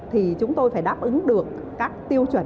thì chúng tôi phải đáp ứng được các tiêu chuẩn